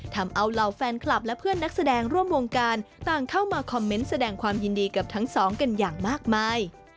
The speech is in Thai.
ทำเอาเหล่าแฟนคลับและเพื่อนนักแสดงร่วมวงการต่างเข้ามาคอมเมนต์แสดงความยินดีกับทั้งสองกันอย่างมากมาย